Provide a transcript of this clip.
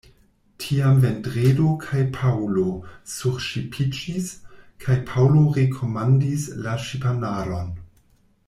Tiam Vendredo kaj Paŭlo surŝipiĝis, kaj Paŭlo rekomandis la ŝipanaron.